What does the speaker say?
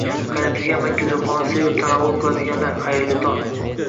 Qaynatilgan makkajo'xorini sevib tanovvul qiladiganlar, xayrli tong!